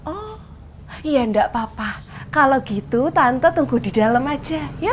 oh iya enggak apa apa kalau gitu tante tunggu di dalam aja ya